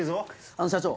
あの社長。